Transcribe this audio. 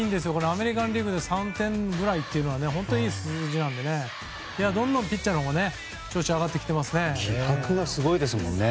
アメリカのリーグで３点ぐらいというのは本当にいい数字なのでどんどんピッチャーの気迫がすごいですもんね。